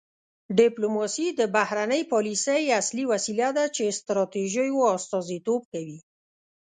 ډیپلوماسي د بهرنۍ پالیسۍ اصلي وسیله ده چې ستراتیژیو استازیتوب کوي